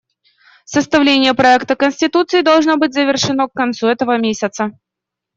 Составление проекта конституции должно быть завершено к концу этого месяца.